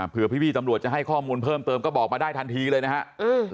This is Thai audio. เพื่อพี่ตำรวจจะให้ข้อมูลเพิ่มเติมก็บอกมาได้ทันทีเลยนะครับ